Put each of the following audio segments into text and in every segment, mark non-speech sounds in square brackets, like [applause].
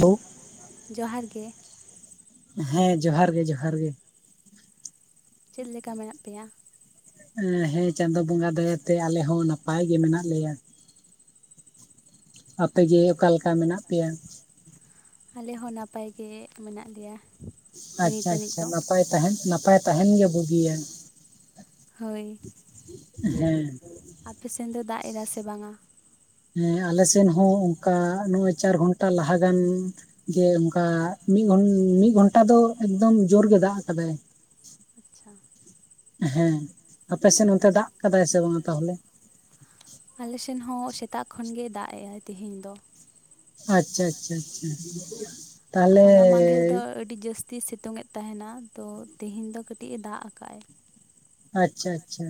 ᱵᱷᱩ ᱡᱚᱦᱟᱨ ᱜᱮ ᱦᱮᱸ ᱡᱚᱦᱟᱨ ᱜᱮ ᱡᱚᱦᱟᱨ ᱜᱮ ᱪᱮᱫ ᱞᱮᱠᱟ ᱢᱮᱱᱟᱜ ᱯᱮᱭᱟ? ᱮᱸ ᱦᱮᱸ ᱪᱟᱸᱫᱚ ᱵᱚᱸᱜᱟ ᱫᱟᱭᱟᱛᱮ ᱟᱞᱮ ᱦᱚᱸ ᱱᱟᱯᱟᱭ ᱜᱮ ᱢᱮᱱᱟᱜ ᱞᱮᱭᱟ। ᱟᱯᱮᱜᱮ ᱚᱠᱟ ᱞᱮᱠᱟ ᱢᱮᱱᱟᱜ ᱯᱮᱭᱟ? ᱟᱞᱮ ᱦᱚᱸ ᱱᱟᱯᱟᱭ ᱜᱮ ᱢᱮᱱᱟᱜ ᱞᱮᱭᱟ। ᱟᱪᱪᱷᱟ ᱱᱤᱛ ᱟᱹᱱᱤᱡ ᱟᱪᱪᱷᱟ ᱫᱚ ᱱᱟᱯᱟᱭ ᱛᱟᱦᱮᱱ ᱱᱟᱯᱟᱭ ᱛᱟᱦᱮᱱ ᱜᱮ ᱵᱩᱜᱤᱭᱟ। ᱦᱳᱭ। ᱦᱮᱸ। ᱟᱯᱮ ᱥᱮᱱ ᱫᱚ ᱫᱟᱜ ᱮᱫᱟᱭ ᱥᱮ ᱵᱟᱝᱟ? ᱦᱮᱸ ᱟᱞᱮᱥᱮᱱ ᱦᱚᱸ ᱚᱱᱠᱟ ᱱᱚᱜᱼᱚᱭ ᱪᱟᱨ ᱜᱷᱚᱱᱴᱟ ᱞᱟᱦᱟᱜᱟᱱᱼᱼ ᱡᱮ ᱚᱱᱠᱟ ᱢᱤᱫ ᱢᱤᱫ ᱜᱷᱚᱱᱴᱟ ᱫᱚ ᱮᱠᱫᱚᱢ ᱡᱳᱨᱜᱮ ᱫᱟᱜ ᱟᱠᱟᱫᱟᱭ। ᱟᱪᱪᱷᱟ। ᱦᱮᱸ ᱟᱯᱮᱥᱮᱫ ᱚᱱᱛᱮ ᱫᱟᱜ ᱟᱠᱟᱫᱟᱭ ᱥᱮ ᱵᱟᱝᱟ ᱛᱟᱦᱚᱞᱮ? ᱟᱞᱮ ᱥᱮᱱ ᱦᱚᱸ ᱥᱮᱛᱟᱜ ᱠᱷᱚᱱ ᱜᱮ ᱫᱟᱜ ᱮᱜ ᱟᱭ ᱛᱮᱦᱮᱧ ᱫᱚ। ᱟᱪᱪᱷᱟ ᱟᱪᱪᱷᱟ ᱟᱪᱪᱷᱟ। ᱛᱟᱦᱚᱞᱮ ᱦᱚᱞᱟ ᱢᱟᱫᱷᱮᱨ ᱫᱚ ᱟᱹᱰᱤ ᱡᱟᱹᱥᱛᱤ ᱥᱤᱛᱩᱝ ᱮᱫ ᱛᱟᱦᱮᱱᱟ ᱛᱚ ᱛᱮᱦᱮᱧ ᱫᱚ ᱠᱟᱹᱴᱤᱡ ᱮ ᱫᱟᱜ ᱟᱠᱟᱫ ᱟᱭ। ᱟᱪᱪᱷᱟ ᱟᱪᱪᱷᱟ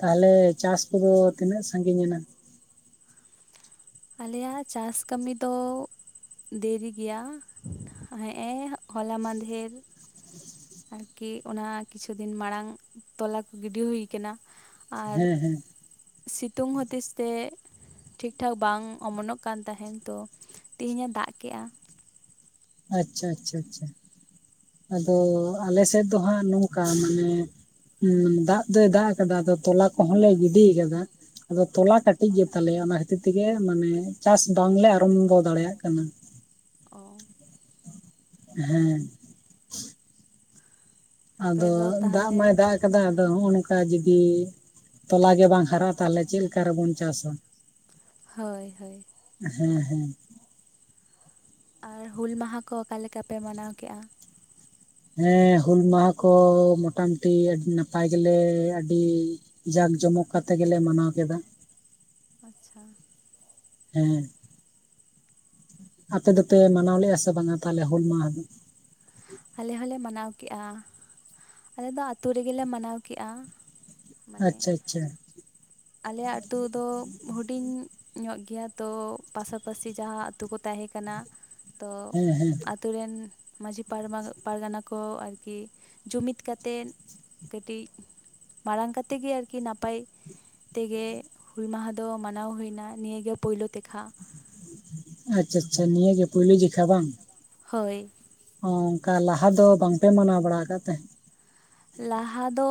ᱛᱟᱞᱦᱮ ᱪᱟᱥ ᱠᱚᱫᱚ ᱛᱤᱱᱟᱹᱜ ᱥᱟᱺᱜᱤᱧ ᱮᱱᱟ? ᱟᱞᱮᱭᱟᱜ ᱪᱟᱥ ᱠᱟᱹᱢᱤ ᱫᱚᱼᱼ ᱫᱮᱨᱤ ᱜᱮᱭᱟ ᱦᱮᱸᱜ ᱮ ᱦᱚᱞᱟ ᱢᱟᱫᱷᱮᱨᱼᱼ ᱟᱨᱠᱤ ᱚᱱᱟ ᱠᱤᱪᱷᱩ ᱫᱤᱱ ᱢᱟᱲᱟᱝ ᱛᱚᱞᱟ ᱠᱚ ᱜᱤᱰᱤ ᱦᱩᱭ ᱠᱟᱱᱟᱼᱼ ᱟᱨ ᱦᱮᱸ ᱦᱮᱸ ᱥᱤᱛᱩᱝ ᱦᱩᱛᱤᱥ ᱛᱮᱼᱼ ᱴᱷᱤᱠ ᱴᱷᱟᱠ ᱵᱟᱝ ᱚᱢᱚᱱᱚᱜ ᱠᱟᱱ ᱛᱟᱦᱮᱱ ᱛᱚ ᱛᱮᱦᱤᱧᱮ ᱫᱟᱜ ᱠᱮᱫ-ᱟ। ᱟᱪᱪᱷᱟ ᱟᱪᱪᱷᱟ ᱟᱪᱷᱟ। ᱟᱫᱚ ᱟᱞᱮ ᱥᱮᱫ ᱫᱚ ᱦᱟᱸᱜ ᱱᱚᱝᱠᱟ ᱢᱟᱱᱮᱼᱼ ᱩᱸᱻ ᱫᱟᱜ ᱫᱚᱭ ᱫᱟᱜ ᱟᱠᱟᱫᱟ ᱟᱫᱚ ᱛᱚᱞᱟ ᱠᱚᱦᱚᱸᱞᱮ ᱜᱤᱰᱤ ᱠᱟᱫᱟᱼᱼ ᱟᱫᱚ ᱛᱚᱞᱟ ᱠᱟᱹᱴᱤᱡ ᱜᱮᱛᱟᱞᱮᱭᱟ ᱚᱱᱟ ᱠᱷᱟᱹᱛᱤᱨ ᱛᱮᱜᱮ ᱢᱟᱱᱮ ᱪᱟᱥ ᱵᱟᱝᱞᱮ ᱟᱨᱚᱢᱵᱚ ᱫᱟᱲᱮᱭᱟᱜ ᱠᱟᱱᱟ। ᱚᱻ ᱦᱮᱸ ᱟᱯᱮ ᱟᱫᱚ ᱫᱚ ᱫᱟᱜ ᱛᱟᱦᱚᱞᱮ ᱢᱟᱭ ᱫᱟᱜ ᱟᱠᱟᱫᱟ ᱟᱫᱚ ᱱᱚᱜ [unintelligible] ᱚᱱᱠᱟ ᱡᱩᱫᱤ ᱛᱚᱞᱟ ᱜᱮ ᱵᱟᱝ ᱦᱟᱨᱟᱜ-ᱟ ᱛᱟᱦᱚᱞᱮ ᱪᱮᱫ ᱞᱮᱠᱟ ᱨᱮᱵᱚᱱ ᱪᱟᱥᱟ ᱦᱳᱭ ᱦᱳᱭ ᱦᱮᱸ ᱦᱮᱸ ᱟᱨ ᱦᱩᱞ ᱢᱟᱦᱟ ᱠᱚ ᱚᱠᱟ ᱞᱮᱠᱟ ᱯᱮ ᱢᱟᱱᱟᱣ ᱠᱮᱫᱮᱜ-ᱟ ᱦᱮᱸ ᱦᱩᱞ ᱢᱟᱦᱟ ᱠᱚ ᱢᱚᱴᱟᱢᱩᱴᱤ ᱟᱹᱰᱤ ᱱᱟᱯᱟᱭ ᱜᱮᱞᱮ ᱟᱹᱰᱤᱼᱼ ᱡᱟᱸᱠ ᱡᱚᱢᱚᱠ ᱠᱟᱛᱮᱜ ᱜᱮᱞᱮ ᱢᱟᱱᱟᱣ ᱠᱮᱫᱟ ᱟᱪᱪᱷᱟ ᱦᱮᱸ ᱟᱯᱮ ᱫᱚᱯᱮ ᱢᱟᱱᱟᱣ ᱞᱮᱫᱼᱟ ᱥᱮ ᱵᱟᱝᱟ ᱛᱟᱦᱚᱞᱮ ᱦᱩᱞ ᱢᱟᱦᱟ ᱫᱚ ᱟᱞᱮ ᱦᱚᱸᱞᱮ ᱢᱟᱱᱟᱣ ᱠᱮᱜᱼᱟ ᱟᱞᱮ ᱫᱚ ᱟᱛᱳ ᱨᱮᱜᱮᱞᱮ ᱢᱟᱱᱟᱣ ᱠᱮᱜᱼᱟ ᱢᱟᱱᱮ ᱟᱪᱪᱷᱟ ᱟᱪᱪᱷᱟ ᱟᱞᱮ ᱟᱹᱛᱩ ᱫᱚ ᱦᱩᱰᱤᱧᱼᱼ ᱧᱚᱜ ᱜᱮᱭᱟ ᱛᱚ ᱯᱟᱥᱟ ᱯᱟᱥᱤ ᱡᱟᱦᱟᱸ ᱟᱛᱳ ᱠᱚ ᱛᱟᱦᱮᱸ ᱠᱟᱱᱟ ᱛᱚ ᱦᱮᱸ ᱦᱮᱸ ᱟᱛᱳ ᱨᱮᱱ ᱢᱟᱺᱡᱷᱤ [unintelligible] ᱯᱟᱨᱜᱟᱱᱟ ᱠᱚ ᱟᱨᱠᱤ ᱡᱩᱢᱤᱫ ᱠᱟᱛᱮᱫ ᱠᱟᱹᱴᱤᱡᱼᱼ ᱢᱟᱲᱟᱝ ᱠᱟᱛᱮ ᱜᱮ ᱟᱨᱠᱤ ᱱᱟᱯᱟᱭ ᱛᱮᱜᱮ ᱦᱩᱞ ᱢᱟᱦᱟ ᱫᱚ ᱢᱟᱱᱟᱣ ᱦᱩᱭ ᱮᱱᱟ ᱱᱤᱭᱟᱹ ᱜᱮ ᱯᱳᱭᱞᱳ ᱫᱮᱠᱷᱟ ᱟᱪᱪᱷᱟ ᱟᱪᱪᱷᱟ ᱱᱤᱭᱟᱹ ᱜᱮ ᱯᱩᱭᱞᱳ ᱡᱤᱠᱷᱟ ᱵᱟᱝ ᱦᱳᱭ ᱚᱱᱠᱟ ᱞᱟᱦᱟ ᱫᱚ ᱵᱟᱝ ᱯᱮ ᱢᱟᱱᱟᱣ ᱵᱟᱲᱟ ᱟᱠᱟᱫ ᱛᱟᱦᱮᱸᱫ ᱞᱟᱦᱟ ᱫᱚᱼᱼ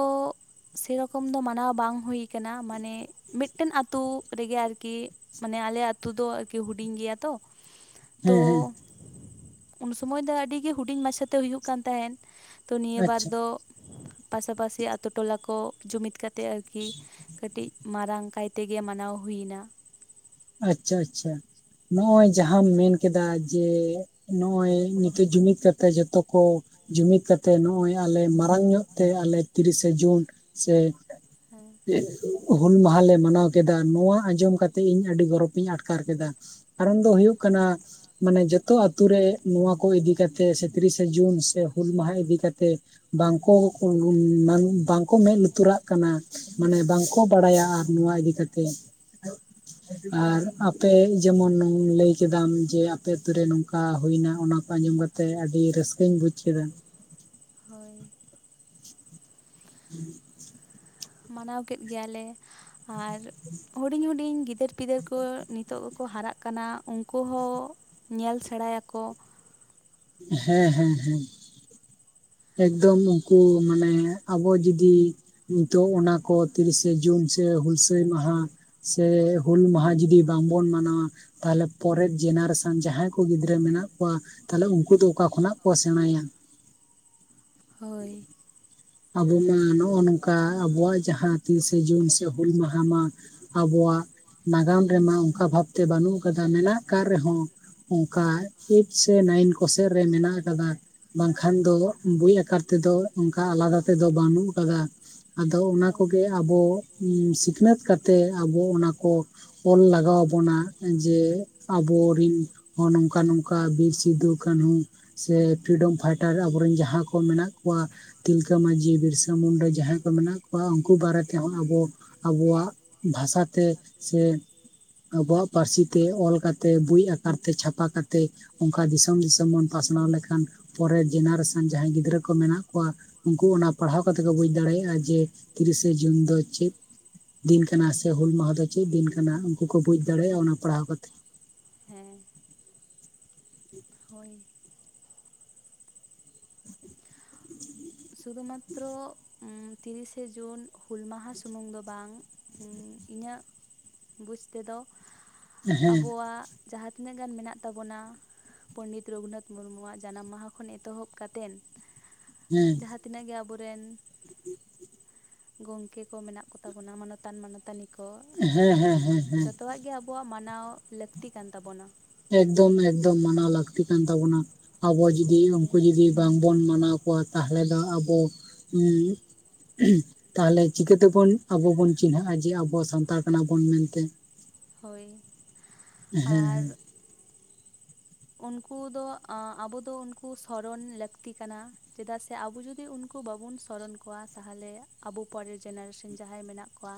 ᱥᱮᱨᱚᱠᱚᱢ ᱫᱚ ᱢᱟᱱᱟᱣ ᱵᱟᱝ ᱦᱩᱭ ᱟᱠᱟᱱᱟ ᱢᱟᱱᱮ ᱢᱤᱫᱴᱮᱱ ᱟᱛᱳ ᱨᱮᱜᱮ ᱟᱨᱠᱤᱼᱼ ᱢᱟᱱᱮ ᱟᱞᱮ ᱟᱹᱛᱩ ᱫᱚ ᱟᱨᱤ ᱦᱩᱰᱤᱧ ᱜᱮᱭᱟ ᱛᱚ ᱛᱚ ᱦᱮᱸ ᱦᱮᱸ ᱩᱱ ᱥᱚᱢᱚᱭ ᱫᱚ ᱟᱹᱰᱤ ᱜᱮ ᱦᱩᱰᱤᱧ ᱢᱟᱪᱷᱟ ᱛᱮ ᱦᱩᱭᱩᱜ ᱠᱟᱱ ᱛᱟᱦᱮᱸᱱ ᱛᱚ ᱱᱤᱭᱟᱹ ᱵᱟᱨ ᱟᱪᱪᱷᱟ ᱫᱚᱼᱼ ᱯᱟᱥᱟᱯᱟᱥᱤ ᱟᱛᱳ ᱴᱚᱞᱟ ᱠᱚ ᱡᱩᱢᱤᱫ ᱠᱟᱛᱮ ᱟᱨᱠᱤ ᱠᱟᱹᱴᱤᱡ ᱢᱟᱨᱟᱝ ᱠᱟᱭ ᱛᱮᱜᱮ ᱢᱟᱱᱟᱣ ᱦᱩᱭᱱᱟ ᱟᱪᱪᱷᱟ ᱟᱪᱪᱷᱟ ᱱᱚᱜ ᱚᱭ ᱡᱟᱦᱟᱸᱢ ᱢᱮᱱ ᱠᱮᱫᱟ ᱡᱮ, ᱱᱚᱜᱼᱚᱭ ᱱᱤᱛᱚᱜ ᱡᱩᱢᱤᱫ ᱠᱟᱛᱮᱜ ᱡᱷᱚᱛᱚ ᱠᱚᱼᱼ ᱡᱩᱢᱤᱫ ᱠᱟᱛᱮ ᱱᱚᱜ ᱚᱭ ᱟᱞᱮ ᱢᱟᱨᱟᱝ ᱧᱚᱜ ᱛᱮ ᱟᱞᱮ ᱛᱤᱨᱤᱥᱮ ᱡᱩᱱ ᱥᱮᱼᱼ ᱦᱮᱸ [unintelligible] ᱦᱩᱞ ᱢᱟᱦᱟᱞ ᱞᱮ ᱢᱟᱱᱟᱣ ᱠᱮᱫᱟ ᱱᱚᱣᱟ ᱟᱸᱡᱚᱢ ᱠᱟᱛᱮᱜ ᱤᱧ ᱟᱹᱰᱤ ᱜᱚᱨᱚᱵᱽᱤᱧ ᱟᱴᱠᱟᱨ ᱠᱮᱫᱟ ᱠᱟᱨᱚᱱ ᱫᱚ ᱦᱩᱭᱩᱜ ᱠᱟᱱᱟ ᱢᱟᱱᱮ ᱡᱚᱛᱚ ᱟᱹᱛᱩ ᱨᱮ ᱱᱚᱣᱟ ᱠᱚ ᱤᱫᱤ ᱠᱟᱛᱮᱜ ᱥᱮ ᱛᱤᱨᱤᱥᱮ ᱡᱩᱱ ᱥᱮ ᱦᱩᱞ ᱢᱟᱦᱟ ᱤᱫᱤ ᱠᱟᱛᱮ ᱵᱟᱝ ᱠᱚ ᱢᱟᱱᱮ ᱵᱟᱝ ᱠᱚ ᱢᱮᱸᱫ ᱞᱩᱛᱩᱨᱟᱜ ᱠᱟᱱᱟ ᱢᱟᱱᱮ ᱵᱟᱝ ᱠᱚ ᱵᱟᱲᱟᱭᱟ ᱟᱨ ᱱᱚᱣᱟ ᱤᱫᱤ ᱠᱟᱛᱮ ᱟᱨ ᱦᱳᱭ [unintelligible] ᱟᱯᱮ ᱡᱮᱢᱚᱱ ᱞᱟᱹᱭ ᱠᱮᱫᱟᱢ ᱡᱮ ᱟᱯᱮ ᱟᱛᱳ ᱨᱮ ᱱᱚᱝᱠᱟ ᱦᱩᱭᱱᱟ ᱚᱱᱟ ᱠᱚ ᱟᱸᱡᱚᱢ ᱠᱟᱛᱮ ᱛᱮ ᱟᱹᱰᱤ ᱨᱟᱹᱥᱠᱟᱹᱧ ᱵᱩᱡ ᱠᱮᱫᱟ ᱦᱳᱭ [unintelligible] ᱢᱟᱱᱟᱣ ᱠᱮᱫ ᱜᱮᱭᱟᱞᱮ ᱟᱨᱼᱼ [unintelligible] ᱦᱩᱰᱤᱧ ᱦᱩᱰᱤᱧ ᱜᱤᱫᱟᱹᱨ ᱯᱤᱫᱟᱹᱨ ᱠᱚ ᱱᱤᱛᱚᱜ ᱜᱮ ᱠᱚ ᱦᱟᱨᱟᱜ ᱠᱟᱱᱟ ᱩᱱᱠᱩ ᱦᱚᱸᱼᱼ ᱧᱮᱞ ᱥᱮᱬᱟᱭᱟᱠᱚ᱾ ᱦᱮᱸ ᱦᱮᱸ ᱦᱮᱸ᱾ ᱮᱠᱫᱚᱢ ᱩᱱᱠᱩ ᱢᱟᱱᱮ ᱟᱵᱚ ᱡᱩᱫᱤ ᱱᱤᱛᱚᱜ ᱚᱱᱟᱠᱚ ᱛᱤᱨᱤᱥᱮ ᱡᱩᱱ ᱥᱮ ᱦᱩᱞᱥᱟᱹᱭ ᱢᱟᱦᱟ ᱥᱮ ᱦᱩᱞ ᱢᱟᱦᱟ ᱡᱩᱚᱫᱤ ᱵᱟᱝᱵᱚᱱ ᱢᱟᱱᱟᱣᱟ ᱛᱟᱦᱞᱮ ᱯᱚᱨᱮ ᱡᱮᱱᱟᱨᱮᱥᱚᱱ ᱡᱟᱦᱟᱸᱭ ᱠᱚ ᱜᱤᱫᱽᱨᱟᱹ ᱢᱮᱱᱟᱜ ᱠᱚᱣᱟ ᱛᱟᱦᱞᱮ ᱩᱱ ᱩᱱᱠᱩ ᱫᱚ ᱚᱠᱟ ᱠᱷᱚᱱᱟᱜ ᱠᱚ ᱥᱮᱬᱟᱭᱟ᱾ ᱦᱳᱭ᱾ ᱟᱵᱚ ᱢᱟ ᱱᱚᱜ ᱱᱚᱝᱠᱟ ᱟᱵᱚᱣᱟᱜ ᱡᱟᱦᱟᱸ ᱛᱤᱥᱮ ᱡᱩᱱ ᱥᱮ ᱦᱩᱞ ᱢᱟᱦᱟ ᱢᱟ ᱟᱵᱚᱣᱟᱜ ᱱᱟᱜᱟᱢ ᱨᱮᱢᱟ ᱚᱱᱠᱟ ᱵᱷᱟᱵᱛᱮ ᱵᱟᱹᱱᱩᱜ ᱟᱠᱟᱫᱟ, ᱢᱮᱱᱟᱜ ᱟᱠᱟᱫ ᱨᱮᱦᱚᱸ ᱚᱱᱠᱟ ᱮᱭᱤᱴ ᱥᱮ ᱱᱟᱭᱤᱱ ᱠᱚᱥᱮᱫ ᱨᱮ ᱢᱮᱱᱟᱜ ᱟᱠᱟᱫᱟ᱾ ᱵᱟᱝᱠᱷᱟᱱ ᱫᱚ ᱵᱳᱭ ᱟᱠᱟᱨ ᱛᱮᱫᱚ ᱚᱱᱠᱟ ᱟᱞᱟᱫᱟ ᱛᱮᱫᱚ ᱵᱟᱹᱱᱩᱜ ᱟᱠᱟᱫᱟ᱾ ᱟᱫᱚ ᱚᱱᱟ ᱦᱳᱭ ᱠᱚᱜᱮ ᱟᱵᱚ ᱥᱤᱠᱷᱱᱟᱹᱛ ᱠᱟᱛᱮᱫ ᱟᱵᱚ ᱚᱱᱟ ᱠᱚ ᱚᱞ ᱞᱟᱜᱟᱣ ᱟᱵᱚᱱᱟ ᱡᱮ ᱟᱵᱚᱨᱤᱱ ᱦᱚᱸ ᱱᱚᱝᱠᱟ ᱱᱚᱝᱠᱟ ᱵᱤᱨ ᱥᱤᱫᱩ ᱠᱟᱹᱱᱦᱩ ᱥᱮ ᱯᱷᱨᱤᱰᱚᱢ ᱯᱷᱟᱭᱴᱟᱨ ᱟᱵᱚᱨᱮᱱ ᱡᱟᱦᱟᱸᱭ ᱠᱚ ᱢᱮᱱᱟᱜ ᱠᱚᱣᱟ ᱛᱤᱞᱠᱟᱹ ᱢᱟᱹᱡᱷᱤ, ᱵᱤᱨᱥᱟ ᱢᱩᱱᱟᱹ ᱡᱟᱦᱟᱸᱭ ᱠᱚ ᱢᱮᱱᱟᱜ ᱠᱚᱣᱟ ᱩᱱᱠᱩ ᱵᱟᱨᱮ ᱛᱮᱦᱚᱸ ᱟᱵᱚ ᱟᱵᱚᱣᱟᱜ ᱵᱷᱟᱥᱟᱛᱮ ᱥᱮ ᱟᱵᱚᱣᱟᱜ ᱯᱟᱹᱨᱥᱤ ᱛᱮ ᱚᱞ ᱠᱟᱛᱮ ᱵᱳᱭ ᱟᱠᱟᱨ ᱛᱮ ᱪᱷᱟᱯᱟ ᱠᱟᱛᱮᱫ ᱚᱱᱠᱟ ᱫᱤᱥᱚᱢ ᱫᱤᱥᱚᱢ ᱵᱚᱱ ᱯᱟᱥᱱᱟᱣ ᱞᱮᱠᱷᱟᱱ ᱯᱚᱨᱮ ᱡᱮᱱᱟᱨᱮᱥᱚᱱ ᱡᱟᱦᱟᱸᱭ ᱜᱤᱫᱽᱨᱟᱹ ᱠᱚ ᱢᱮᱱᱟᱜ ᱠᱚᱣᱟ ᱩᱱᱠᱩ ᱚᱱᱟ ᱯᱟᱲᱦᱟᱣ ᱠᱟᱛᱮ ᱠᱚ ᱵᱩᱡᱽ ᱫᱟᱲᱮᱭᱟᱜᱼᱟ ᱡᱮ ᱛᱤᱨᱤᱥᱮ ᱡᱩᱱ ᱫᱚ ᱪᱮᱫ ᱫᱤᱱ ᱠᱟᱱᱟ ᱥᱮ ᱦᱩᱞ ᱢᱟᱦᱟ ᱫᱚ ᱪᱮᱫ ᱫᱤᱱ ᱠᱟᱱᱟ ᱩᱱᱠᱩ ᱠᱚ ᱵᱩᱡᱽ ᱫᱟᱲᱮᱭᱟᱜᱼᱟ ᱚᱱᱟ ᱯᱟᱲᱦᱟᱣ ᱠᱟ ᱠᱟᱛᱮᱫ᱾ ᱦᱮᱸ᱾ ᱦᱳᱭ᱾ ᱥᱩᱫᱩᱢᱟᱛᱨᱚ ᱛᱤᱨᱤᱥᱮ ᱡᱩᱱ ᱦᱩᱞ ᱢᱟᱦᱟ ᱥᱩᱢᱩᱝ ᱫᱚ ᱵᱟᱝ ᱤᱧᱟᱹᱜ ᱵᱩᱡᱽ ᱛᱮᱫᱚ ᱦᱮᱸ ᱟᱵᱚᱣᱟᱜ ᱡᱟᱦᱟᱸ ᱛᱤᱱᱟᱹᱜ ᱜᱟᱱ ᱢᱮᱱᱟᱜ ᱛᱟᱵᱚᱱᱟ᱾ ᱯᱚᱱᱰᱤᱛ ᱨᱚᱜᱷᱩᱱᱟᱛᱷ ᱢᱩᱨᱢᱩᱣᱟᱜ ᱡᱟᱱᱟᱢ ᱢᱟᱦᱟ ᱠᱷᱚᱱ ᱮᱛᱚᱦᱚᱵ ᱠᱟᱛᱮᱱ ᱦᱮᱸ ᱡᱟᱦᱟᱸ ᱛᱤᱱᱟᱹᱜ ᱜᱮ ᱟᱵᱚᱨᱮᱱ [unintelligible] ᱜᱚᱝᱠᱮ ᱠᱚ ᱢᱮᱱᱟᱜ ᱠᱚᱛᱟ ᱵᱚᱱᱟ ᱢᱟᱱᱚᱛᱟᱱ ᱢᱟᱱᱚᱛᱟᱱᱤ ᱠᱚ ᱦᱮᱸ ᱦᱮᱸ ᱦᱮᱸ ᱦᱮᱸ ᱡᱚᱛᱚᱣᱟᱜ ᱜᱮ ᱟᱵᱚ ᱟᱩᱣᱟᱜ ᱢᱟᱱᱟᱣ ᱞᱟᱹᱠᱛᱤ ᱠᱟᱱ ᱛᱟᱵᱚᱱᱟ᱾ ᱮᱠᱫᱚᱢ ᱮᱠᱫᱚᱢ ᱢᱟᱱᱟᱣ ᱞᱟᱹᱠᱛᱤ ᱠᱟᱱ ᱛᱟᱵᱚᱱᱟ ᱟᱵᱚ ᱡᱩᱫᱤ ᱦᱳᱭ ᱩᱱᱠᱩ ᱡᱩᱫᱤ ᱵᱟᱝ ᱵᱚᱱ ᱢᱟᱱᱟᱣ ᱠᱚᱣᱟ ᱛᱟᱦᱚᱞᱮ ᱫᱚ ᱟᱵᱚ ᱛᱟᱦᱚᱞᱮ ᱪᱤᱠᱟᱹ ᱛᱮᱵᱚᱱ ᱟᱵᱚ ᱵᱚᱱ ᱪᱤᱱᱦᱟᱹᱜᱼᱟ ᱡᱮ ᱟᱵᱚ ᱥᱟᱱᱛᱟᱲ ᱠᱟᱱᱟ ᱵᱚᱱ ᱢᱮᱱᱛᱮ᱾ ᱦᱳᱭ᱾ ᱟᱨ ᱦᱮᱸ᱾ ᱩᱱᱠᱩ ᱫᱚ ᱟᱸ ᱟᱵᱚ ᱫᱚ ᱩᱱᱠᱩ ᱥᱚᱨᱚᱱ ᱞᱟᱹᱠᱛᱤ ᱠᱟᱱᱟ᱾ ᱪᱮᱫᱟᱜ ᱥᱮ ᱟᱵᱚ ᱡᱩᱫᱤ ᱩᱱᱠᱩ ᱵᱟᱵᱚᱱ ᱥᱚᱨᱚᱱ ᱠᱚᱣᱟ ᱛᱟᱦᱚᱞᱮ ᱟᱵᱚ ᱯᱚᱨᱮᱨ ᱡᱮᱱᱟᱨᱮᱥᱮᱱ ᱡᱟᱦᱟᱸᱭ ᱢᱮᱱᱟᱜ ᱠᱚᱣᱟ᱾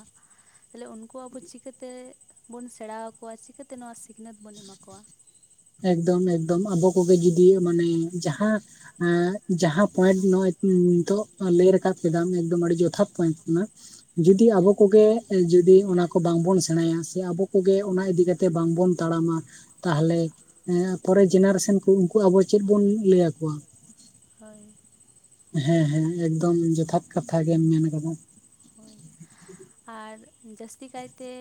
ᱛᱟᱦᱚᱞᱮ ᱩᱱᱠᱩ ᱟᱠᱚ ᱪᱤᱠᱟᱹᱛᱮ ᱵᱚᱱ ᱥᱮᱬᱟ ᱣᱟᱠᱚᱣᱟ ᱪᱤᱠᱟᱹᱛᱮ ᱱᱚᱣᱟ ᱥᱤᱠᱷᱱᱟᱹᱛ ᱵᱚᱱ ᱮᱢᱟ ᱠᱚᱣᱟ᱾ ᱮᱠᱫᱚᱢ ᱮᱠᱫᱚᱢ ᱟᱵᱚ ᱠᱚ ᱜᱤ ᱡᱩᱫᱤ ᱢᱟᱱᱮ ᱡᱟᱦᱟᱸ ᱮᱸᱜ ᱡᱟᱦᱟᱸ ᱯᱚᱭᱮᱱᱴ ᱱᱚᱜ-ᱚᱭ ᱱᱤ ᱱᱤᱛᱚᱜ ‌ᱚ ᱞᱟᱹᱭ ᱨᱟᱠᱟᱵ ᱠᱮᱫᱟᱢ ᱮᱠᱫᱚᱢ ᱟᱹᱰᱤ ᱡᱚᱛᱷᱟᱛ ᱯᱚᱭᱮᱱᱴ ᱠᱟᱱᱟ᱾ ᱡᱩᱫᱤ ᱟᱵᱚ ᱠᱚᱜᱮ ᱮ ᱡᱩᱫᱤ ᱚᱱᱟ ᱠᱚ ᱵᱟᱝ ᱵᱚᱱ ᱥᱮᱬᱟᱭᱟ ᱥᱮ ᱟᱵᱚ ᱠᱚᱜᱮ ᱚᱱᱟ ᱤᱫᱤ ᱠᱟᱛ ᱛᱮ ᱵᱟᱝ ᱵᱚᱱ ᱛᱟᱲᱟᱢᱟ ᱛᱟᱦᱚᱞᱮ ᱮᱸ ᱟ ᱯᱚᱨᱮ ᱡᱮᱱᱟᱨᱮᱥᱮᱱ ᱠᱚ ᱩᱱᱠᱩ ᱟᱵᱚ ᱪᱮᱫ ᱵᱚᱱ ᱞᱟᱹᱭ ᱭᱟᱠᱚᱣᱟ? ᱦᱚᱭ, ᱦᱮᱸ ᱦᱮᱸ ᱮᱠᱫᱚᱢ ᱡᱚᱛᱷᱟᱛ ᱠᱟᱛᱷᱟ ᱜᱮᱢ ᱢᱮᱱ ᱟᱠᱟᱫᱟ᱾ ᱦᱚᱭ᱾ ᱟᱨ ᱡᱟᱹᱥᱛᱤ ᱠᱟᱭᱛᱮ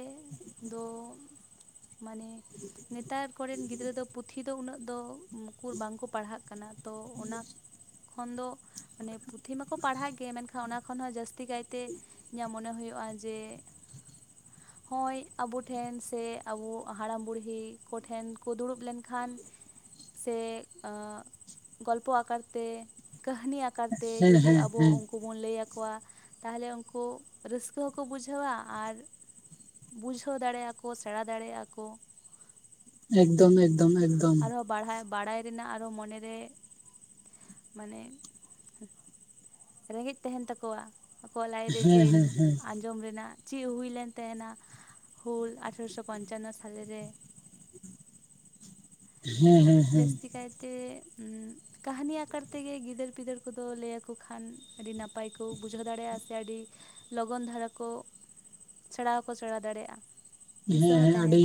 ᱫᱚᱻᱢ, ᱢᱟᱱᱮ ᱱᱮᱛᱟᱨ ᱠᱚᱨᱮᱱ ᱜᱤᱫᱽᱨᱟᱹ ᱫᱚᱯᱼᱼ ᱯᱩᱛᱷᱤ ᱫᱚ ᱩᱱᱟᱹᱜ ᱫᱚ, ᱩᱝ ᱩᱠᱩᱨ ᱵᱟᱝ ᱠᱚ ᱯᱟᱲᱦᱟᱜ ᱠᱟᱱᱟ, ᱛᱚ ᱚᱱᱟ ᱠᱷᱚᱱ ᱫᱚᱼᱼ ᱢᱟᱱᱮ ᱯᱩᱛᱷᱤ ᱢᱟᱠᱚ ᱯᱟᱲᱦᱟᱜ ᱜᱮ, ᱢᱮᱱᱠᱷᱟᱱ ᱚᱱᱟ ᱠᱷᱚᱱ ᱦᱚᱸ ᱡᱟᱹᱥᱛᱤ ᱠᱟᱭᱛᱮ ᱤᱧᱟᱜ ᱢᱚᱱᱮ ᱦᱚᱭᱚᱜ-ᱟ, ᱡᱮᱜᱼᱼ ᱦᱚᱸᱭ ᱟᱵᱚ ᱴᱷᱮᱸᱱ ᱥᱮ ᱟᱵᱚ ᱦᱟᱲᱟᱢ ᱵᱩᱲᱦᱤ ᱠᱚᱴᱷᱮᱱ ᱠᱚ ᱫᱩᱲᱩᱵ ᱞᱮᱱᱠᱷᱟᱱᱼᱼ ᱥᱮ ᱟᱸᱜ ᱜᱚᱞᱯᱚ ᱟᱠᱟᱨ ᱛᱮ ᱠᱟᱹᱦᱱᱤ ᱟᱠᱼᱼ ᱠᱟᱨ ᱛᱮ ᱦᱮᱸ ᱡᱩᱫᱤ ᱦᱮᱸ ᱟᱵᱚ ᱦᱮᱸ ᱩᱸᱠᱩ ᱵᱚᱱ ᱞᱟᱹᱭ ᱟᱠᱚᱣᱟ ᱛᱟᱦᱮᱞᱮ ᱩᱱᱠᱩ ᱨᱟᱹᱥᱠᱼᱼ ᱠᱟᱹ ᱦᱚᱠᱚ ᱵᱩᱡᱷᱟᱹᱣᱟ ᱟᱨᱼᱼ ᱵᱩᱡᱷᱟᱹᱣ ᱫᱟᱲᱮᱜ ᱟᱠᱚ ᱠᱚ ᱥᱮᱬᱟ ᱫᱟᱲᱮᱭᱟᱜᱼᱟ ᱠᱚ᱾ ᱮᱠᱫᱚᱢ ᱦᱩᱸ ᱮᱠᱫᱚᱢ ᱮᱠᱫᱚᱢ ᱟᱨᱦᱚᱸ ᱵᱟᱲᱦᱟᱭ ᱵᱟᱲᱟᱭ ᱨᱮᱱᱟᱜ ᱟᱨᱦᱚᱸ ᱢᱚᱱᱮ ᱨᱮᱼᱼ ᱢᱟᱱᱮ ᱩᱸᱦ ᱨᱮᱸᱜᱽᱮᱡ ᱛᱟᱦᱮᱸᱱ ᱛᱟᱠᱚᱣᱟ᱾ ᱟᱠᱚᱣᱟᱜ ᱞᱟᱡ ᱨᱮ ᱦᱮᱸ ᱡᱮᱱᱼᱼ ᱦᱮᱸ ᱦᱮᱸ ᱟᱸᱡᱽᱚᱢ ᱨᱮᱱᱟᱜ ᱪᱮᱜ ᱦᱩᱭ ᱞᱮᱱ ᱛᱟᱦᱮᱸᱱᱟ ᱦᱩᱞ ᱟᱴᱷᱨᱚᱥᱚ ᱯᱚᱧᱪᱟᱱᱱᱚ ᱥᱟᱞᱮ ᱨᱮ? ᱦᱮᱸ ᱦᱮᱸ ᱾ ᱡᱟᱹᱥᱛᱤ ᱠᱟᱭᱛᱮᱜ ᱩᱸᱜᱼᱼ ᱠᱟᱹᱦᱱᱤ ᱟᱠᱟᱨ ᱛᱮᱜᱮ ᱜᱤᱫᱟᱹᱨ ᱯᱤᱫᱟᱹᱨ ᱠᱚᱫᱚ ᱞᱟᱹᱭ ᱟᱠᱚ ᱠᱷᱟᱱ, ᱟᱹᱰᱤ ᱱᱟᱯᱟᱭ ᱠᱚ ᱵᱩᱡᱷᱟᱹᱣ ᱫᱟᱲᱮᱭᱟᱜ-ᱟ ᱥᱮ ᱟᱹᱰᱤᱼᱼ ᱞᱚᱜᱚᱱ ᱫᱷᱟᱨᱟ ᱠᱚᱜ ᱥᱮᱬᱟ ᱦᱚᱸᱠᱚ ᱥᱮᱬᱟ ᱫᱟᱲᱮᱭᱟᱜ-ᱟ᱾ ᱦᱮᱸ ᱦᱮᱸ ᱟᱹᱰᱤᱻ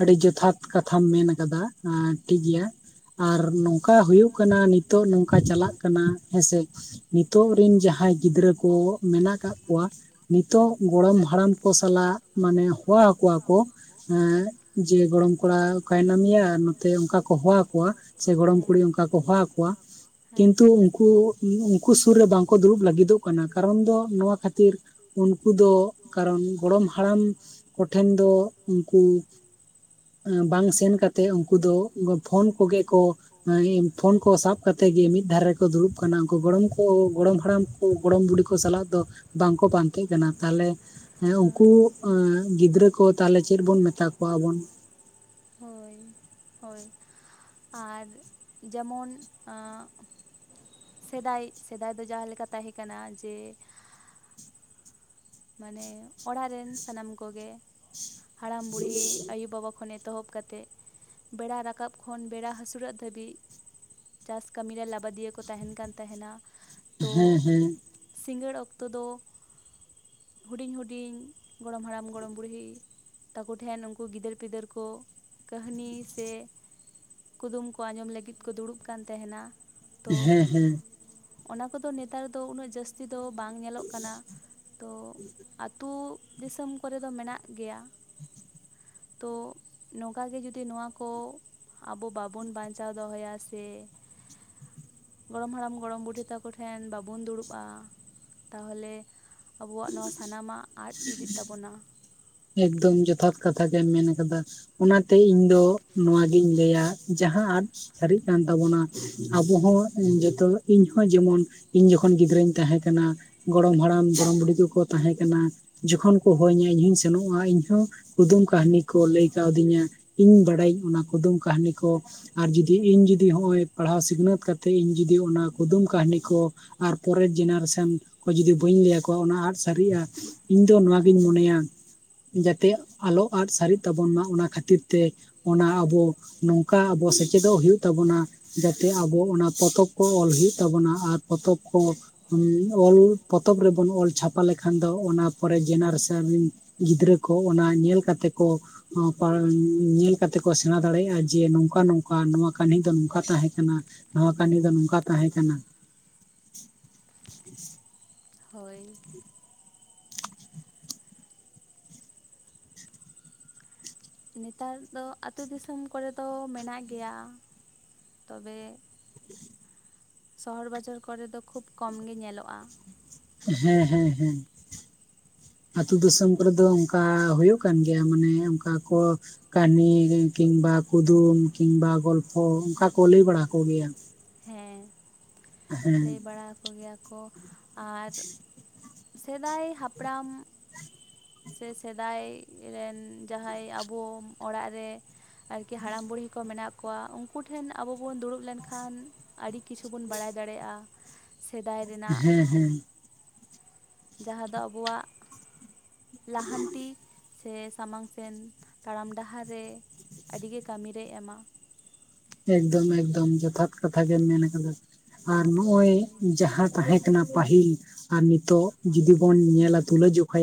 ᱟᱹᱰᱤ ᱡᱚᱛᱷᱟᱛ ᱠᱟᱛᱷᱟᱢ ᱢᱮᱱ ᱟᱠᱟᱫᱟ ᱟᱸ ᱴᱷᱤᱠ ᱜᱮᱭᱟ ᱟᱨ ᱱᱚᱝᱼᱼ ᱠᱟ ᱦᱩᱭᱩᱜ ᱠᱟᱱᱟ ᱱᱤᱛᱚᱜ ᱱᱚᱝᱠᱟ ᱪᱟᱞᱟᱜ ᱠᱟᱱᱟ ᱦᱮᱸ ᱥᱮ, ᱱᱤᱛᱚᱜ ᱦᱮᱸ ᱨᱤᱱ ᱡᱟᱦᱟᱸᱭ ᱜᱤᱫᱽᱨᱟᱹ ᱠᱚᱜᱼᱼ ᱢᱮᱱᱟ ᱠᱟᱜ ᱠᱚᱣᱟ ᱱᱤᱛᱳᱜ ᱜᱚᱲᱚᱢ ᱦᱟᱲᱟᱢ ᱠᱚ ᱥᱟᱞᱟᱜ ᱢᱟᱱᱮᱼᱼ ᱦᱚᱣᱟ ᱠᱚᱣᱟ ᱠᱚ ᱮᱸᱜ ᱡᱮ ᱜᱚᱲᱚᱢ ᱠᱚᱲᱟ ᱚᱠᱟ ᱭᱮᱱᱟᱢ ᱭᱟ ᱱᱚᱛᱮ ᱚᱸᱠᱟ ᱠᱚ ᱦᱚᱣᱟ ᱠᱚᱣᱟ᱾ ᱪᱮ ᱜᱚᱲᱚᱢ ᱦᱮᱸ ᱠᱩᱲᱤ ᱚᱸᱠᱟ ᱠᱚ ᱦᱚᱣᱟ ᱠᱚᱣᱟ, ᱦᱮᱸ ᱠᱤᱱᱛᱩ ᱩᱱᱠᱩᱜᱼᱼ ᱩᱱ ᱩᱱᱠᱩ ᱥᱩᱨ ᱨᱮ ᱵᱟᱝ ᱠᱚ ᱫᱩᱲᱩᱵ ᱞᱟᱹᱜᱤᱫᱚᱜ ᱠᱟᱱᱟ, ᱠᱟᱨᱚᱱ ᱫᱚ ᱱᱚᱶᱟ ᱠᱷᱟᱹᱛᱤᱨᱼᱼ ᱩᱱᱠᱩ ᱫᱚᱻᱜ ᱠᱟᱨᱚᱱ ᱜᱚᱲᱚᱢ ᱦᱟᱲᱟᱢ ᱠᱚᱴᱷᱮᱱ ᱫᱚᱻᱜ ᱩᱱᱠᱩᱼᱼ ᱮᱸᱻ ᱵᱟᱝ ᱥᱮᱱ ᱠᱟᱛᱮ ᱩᱸᱠᱩ ᱫᱚᱻᱜ ᱜᱚ ᱯᱷᱳᱱ ᱠᱚᱜᱮ ᱠᱚᱼᱼ ᱮᱸ ᱤᱱ ᱯᱷᱳᱱ ᱠᱚ ᱥᱟᱵ ᱠᱟᱛᱮ ᱜᱮ ᱢᱤᱫ ᱫᱷᱟᱨᱮ ᱨᱮᱠᱚ ᱫᱩᱲᱩᱵ ᱠᱟᱱᱟ, ᱩᱱᱠᱩ ᱜᱚᱲᱚᱢ ᱠᱚ ᱜᱚᱲᱚᱢ ᱦᱟᱲᱟᱢᱼᱼ ᱠᱩ ᱜᱚᱲᱚᱢ ᱵᱩᱰᱤ ᱠᱚ ᱥᱟᱞᱟᱜ ᱫᱚ ᱵᱟᱝ ᱠᱚ ᱯᱟᱱᱛᱮᱜ ᱠᱟᱱᱟ, ᱛᱟᱦᱮᱞᱮᱼᱼ ᱦᱮᱸ ᱩᱸᱠᱩ ᱦᱳᱭ ᱮᱸᱻ ᱜᱤᱫᱽᱨᱟᱹ ᱠᱚ ᱛᱟᱦᱮᱞᱮ ᱪᱮᱫ ᱵᱚᱱ ᱢᱮᱛᱟ ᱠᱚᱣᱟ ᱵᱚᱱ? ᱦᱚᱭ ᱦᱚᱭ ᱟᱨ ᱡᱮᱢᱚᱱ ‌ᱟᱸᱜᱼᱼ ᱥᱮᱫᱟᱭᱤᱜ, ᱥᱮᱫᱟᱭ ᱫᱚ ᱡᱟᱦᱟᱸ ᱞᱮᱠᱟ ᱛᱟᱦᱮᱸ ᱠᱟᱱᱟ, ᱡᱮᱼᱼ ᱢᱟᱱᱮᱻ ᱚᱲᱟᱜ ᱨᱮᱱ ᱥᱟᱱᱟᱢ ᱠᱚᱜᱮ ᱦᱟᱲᱟᱢ, ᱵᱩᱲᱦᱤ, ᱟᱹᱭᱩᱼᱵᱟᱵᱟ, ᱠᱷᱚᱱᱮᱼᱼ ᱮᱛᱚᱦᱚᱵ ᱠᱟᱛᱮᱜ ᱵᱮᱲᱟ ᱨᱟᱠᱟᱵ ᱠᱷᱚᱱ ᱵᱮᱲᱟ ᱦᱟᱹᱥᱩᱨᱚᱜ ᱫᱷᱟᱹᱵᱤᱡ ᱪᱟᱥ ᱠᱟᱹᱢᱤ ᱨᱮ ᱞᱟᱵᱟ ᱫᱤᱭᱟᱹ ᱠᱚ ᱛᱟᱦᱮᱸᱱ ᱠᱟᱱ ᱛᱟᱦᱮᱸᱱᱟ, ᱦᱮᱸ ᱦᱮᱸ, ᱥᱤᱸᱜᱟᱹᱲ ᱚᱠᱛᱚ ᱫᱚ ᱦᱩᱰᱤᱧ ᱦᱩᱰᱤᱧ ᱜᱚᱲᱚᱢ ᱦᱟᱲᱟᱢ, ᱜᱚᱲᱚᱢ ᱵᱩᱲᱦᱤ ᱛᱟᱠᱚ ᱴᱷᱮᱸᱱ ᱩᱸᱠᱩ ᱜᱤᱫᱟᱹᱨ ᱯᱤᱫᱟᱹᱨ ᱠᱚ ᱠᱟᱹᱦᱱᱤ ᱥᱮ ᱠᱩᱫᱩᱢ ᱠᱚ ᱟᱸᱡᱚᱢ ᱞᱟᱹᱜᱤᱫ ᱠᱚ ᱫᱩᱲᱩᱵ ᱠᱟᱱ ᱛᱟᱦᱮᱸᱱᱟ, ᱛᱚ ᱦᱮᱸ ᱦᱮᱸ ᱚᱱᱟ ᱠᱚᱫᱚ ᱱᱮᱛᱟᱨ ᱫᱚ ᱩᱱᱟᱹᱜ ᱡᱟᱹᱥᱛᱤ ᱡᱟᱹᱥᱛᱤ ᱫᱚ ᱵᱟᱝ ᱧᱮᱞᱚᱜ ᱠᱟᱱᱟ ᱛᱚ ᱟᱛᱩ ᱫᱤᱥᱚᱢ ᱠᱚᱨᱮ ᱫᱚ ᱢᱮᱱᱟᱜ ᱜᱮᱭᱟ ᱾ ᱛᱚ ᱱᱚᱝᱠᱟ ᱜᱮ ᱡᱩᱫᱤ ᱱᱚᱣᱟ ᱠᱚ ᱟᱵᱚ ᱵᱟᱵᱚᱱ ᱵᱟᱧᱪᱟᱣ ᱫᱚᱦᱚᱭᱟ ᱥᱮ ᱜᱚᱲᱚᱢ ᱦᱟᱲᱟᱢ ᱜᱚᱲᱚᱢ ᱵᱩᱰᱷᱤ ᱛᱟᱠᱚ ᱴᱷᱮᱱ ᱵᱟᱵᱚᱱ ᱫᱩᱲᱩᱵᱼᱟ, ᱛᱟᱦᱚᱞᱮ ᱟᱵᱚᱣᱟᱜ ᱱᱚᱣᱟ ᱥᱟᱱᱟᱢᱟᱜ ᱟᱫ ᱤᱫᱤᱜ ᱛᱟᱵᱚᱱᱟ ᱾ ᱮᱠᱫᱚᱢ ᱡᱚᱛᱷᱟᱛ ᱠᱟᱛᱷᱟ ᱜᱮᱢ ᱢᱮᱱ ᱟᱠᱟᱫᱟ ᱾ ᱚᱱᱟᱛᱮ ᱤᱧ ᱫᱚ ᱱᱚᱣᱟᱜᱤᱧ ᱞᱟᱹᱭᱟ ᱡᱟᱦᱟᱸ ᱟᱫ ᱥᱟᱹᱨᱤᱜ ᱠᱟᱱ ᱛᱟᱵᱚᱱᱟ ᱟᱵᱚ ᱦᱚᱸ ᱡᱚᱛᱚ ᱤᱧ ᱦᱚᱸ ᱡᱮᱢᱚᱱ ᱤᱧ ᱡᱚᱠᱷᱚᱱ ᱜᱤᱫᱽᱨᱟᱹᱧ ᱛᱟᱦᱮᱸ ᱠᱟᱱᱟ ᱜᱚᱲᱚᱢ ᱦᱟᱲᱟᱢ ᱜᱚᱲᱚᱢ ᱵᱩᱰᱷᱤ ᱛᱚᱠᱚ ᱠᱚ ᱛᱟᱦᱮᱸ ᱠᱟᱱᱟ ᱡᱚᱠᱷᱚᱱ ᱠᱚ ᱦᱚᱦᱚ ᱦᱟᱹᱧᱟ ᱤᱧ ᱦᱚᱸᱧ ᱥᱮᱱᱚᱜᱼᱟ ᱤᱧᱦᱚᱸ ᱠᱩᱫᱩᱢ ᱠᱟᱹᱦᱱᱤ ᱠᱚ ᱞᱟᱹᱭ ᱠᱟᱣᱫᱤᱧᱟ ᱤᱧ ᱵᱟᱲᱟᱭᱟᱹᱧ ᱚᱱᱟ ᱠᱩᱫᱩᱢ ᱠᱟᱹᱦᱱᱤ ᱠᱚ, ᱟᱨ ᱡᱩᱫᱤ ᱤᱧ ᱡᱩᱫᱤ ᱱᱚᱜ ᱚᱭ ᱯᱟᱲᱦᱟᱣ ᱥᱤᱠᱷᱱᱟᱹᱛ ᱠᱟ ᱠᱟᱛᱮᱫ ᱤᱧ ᱡᱩᱫᱤ ᱚᱱᱟ ᱠᱩᱫᱩᱢ ᱠᱟᱹᱦᱱᱤ ᱠᱚ ᱟᱨ ᱯᱚᱨᱮᱨ ᱡᱮᱱᱟᱨᱮᱥᱚᱱ ᱠᱚ ᱡᱩᱫᱤ ᱵᱟᱹᱧ ᱞᱟᱹᱭ ᱟᱠᱚᱣᱟ ᱚᱱᱟ ᱟᱫ ᱥᱟᱹᱨᱤᱜᱼᱟ ᱾ ᱤᱧ ᱫᱚ ᱱᱚᱣᱟ ᱜᱤᱧ ᱦᱮᱸ ᱢᱚᱱᱮᱭᱟ ᱾ ᱡᱟᱛᱮ ᱟᱞᱚ ᱟᱫ ᱥᱟᱹᱨᱤᱜ ᱛᱟᱵᱚᱱ ᱢᱟ ᱚᱱᱟ ᱠᱷᱟᱹᱛᱤᱨ ᱛᱮ ᱚᱱᱟ ᱟᱵᱚ ᱱᱚᱝᱠᱟ ᱟᱵᱚ ᱥᱮᱪᱮᱫᱚᱜ ᱦᱩᱭᱩᱜ ᱛᱟᱵᱚᱱᱟ, ᱡᱟᱛᱮ ᱟᱵᱚ ᱚᱱᱟ ᱯᱚᱛᱚᱵ ᱠᱚ ᱚᱞ ᱦᱩᱭᱩᱜ ᱛᱟᱵᱚᱱᱟ, ᱟᱨ ᱯᱚᱛᱚᱵ ᱠᱚ ᱚᱞ ᱯᱚᱛᱚᱵ ᱨᱮᱵᱚᱱ ᱚᱞ ᱪᱷᱟᱯᱟ ᱞᱮᱠᱷᱟᱱ ᱫᱚ ᱚᱱᱟ ᱯᱚᱨᱮ ᱡᱮᱱᱟᱨᱮᱥᱚᱱ ᱜᱤᱫᱽᱨᱟᱹ ᱠᱚ ᱚᱱᱟ ᱧᱮᱞ ᱠᱟᱛᱮᱜ ᱠᱚ ᱧᱮᱞ ᱠᱟᱛᱮ ᱠᱚ ᱥᱮᱬᱟ ᱫᱟᱲᱮᱭᱟᱜᱼᱟ ᱡᱮ ᱱᱚᱝᱠᱟ ᱱᱚᱝᱠᱟ ᱱᱚᱣᱟ ᱠᱟᱹᱦᱱᱤ ᱫᱚ ᱱᱚᱝᱠᱟ ᱛᱟᱦᱮᱸ ᱠᱟᱱᱟ ᱾ ᱱᱚᱣᱟ ᱠᱟᱹᱦᱤᱱᱤ ᱫᱚ ᱦᱮᱸ ᱱᱚᱝᱠᱟ ᱛᱟᱦᱮᱸ ᱠᱟᱱᱟ ᱾ ᱦᱳᱭ ᱾ [unintelligible] ᱱᱮᱛᱟᱨ ᱫᱚ ᱟᱛᱩ ᱫᱤᱥᱚᱢ ᱠᱚᱨᱮ ᱫᱚ ᱢᱮᱱᱟᱜ ᱜᱮᱭᱟ, ᱛᱚᱵᱮ ᱥᱚᱦᱚᱨ ᱵᱟᱡᱟᱨ ᱠᱚᱨᱮ ᱫᱚ ᱠᱷᱩᱵ ᱠᱚᱢ ᱜᱮ ᱧᱮᱞᱚᱜᱼᱟ ᱾ ᱦᱮᱸ ᱦᱮᱸ ᱦᱮᱸ ᱾ ᱟᱛᱳᱞᱩ ᱫᱤᱥᱚᱢ ᱠᱚᱨᱮ ᱫᱚ ᱚᱱᱠᱟ ᱦᱩᱭᱩᱜ ᱠᱟᱱ ᱜᱮᱭᱟ ᱢᱟᱱᱮ ᱚᱱᱠᱟ ᱠᱚ ᱠᱟᱹᱦᱱᱤ ᱠᱤᱢᱵᱟ ᱠᱩᱫᱩᱢ ᱠᱤᱢᱵᱟ ᱜᱚᱞᱯᱷᱚ ᱚᱱᱠᱟ ᱠᱚ ᱞᱟᱹᱭ ᱵᱟᱲᱟ ᱟᱠᱚ ᱜᱮᱭᱟ ᱾ ᱦᱮᱸ ᱾ ᱞᱟᱹᱭ ᱵᱟᱲᱟ ᱦᱟᱠᱚ ᱜᱮᱭᱟ ᱠᱚ ᱟᱨ ᱥᱮᱫᱟᱭ ᱦᱟᱯᱲᱟᱢ ᱥᱮ ᱥᱮᱫᱟᱭ ᱨᱮᱱ ᱡᱟᱦᱟᱸᱭ ᱟᱵᱚ ᱚᱲᱟᱜ ᱨᱮ ᱟᱨᱠᱤ ᱦᱟᱲᱟᱢ ᱵᱩᱲᱦᱤ ᱠᱚ ᱢᱮᱱᱟᱜ ᱠᱚᱣᱟ ᱩᱱᱠᱩ ᱴᱷᱮᱱ ᱟᱵᱚ ᱵᱚᱱ ᱫᱩᱲᱩᱵ ᱞᱮᱱᱠᱷᱟᱱ ᱟᱹᱰᱤ ᱠᱤᱪᱷᱩ ᱵᱚᱱ ᱵᱟᱲᱟᱭ ᱫᱟᱲᱮᱭᱟᱜᱼᱟ ᱥᱮᱫᱟᱭ ᱨᱮᱱᱟᱜ ᱾ [inaudible] ᱡᱟᱦᱟᱸ ᱫᱚ ᱟᱵᱚᱣᱟᱜ ᱞᱟᱦᱟᱱᱛᱤ ᱥᱮ ᱥᱟᱢᱟᱝ ᱥᱮᱱ ᱛᱟᱲᱟᱢ ᱰᱟᱦᱟᱨ ᱨᱮ ᱟᱹᱰᱤᱜᱮ ᱠᱟᱹᱢᱤ ᱨᱮ ᱮᱢᱟ ᱾ ᱮᱠᱫᱚᱢ ᱮᱠᱫᱚᱢ ᱡᱚᱛᱷᱟᱛ ᱠᱟᱛᱷᱟ ᱜᱮᱢ ᱢᱮᱱ ᱟᱠᱟᱫᱟ ᱟᱨ ᱱᱚᱜᱼᱚᱭ ᱦᱳᱭ ᱡᱟᱦᱟᱸ ᱛᱟᱦᱮᱸ ᱠᱟᱱᱟ ᱯᱟᱹᱦᱤᱞ ᱟᱨ ᱱᱤᱛᱚᱜ ᱡᱩᱫᱤ ᱵᱚᱱ ᱧᱮᱞᱟ ᱛᱩᱞᱟᱹ ᱡᱚᱠᱷᱟᱭᱟ